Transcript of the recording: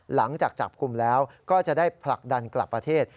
หลังจากจับกลุ่มแล้วก็จะได้ผลักดันกลับประเทศ